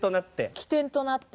基点となって。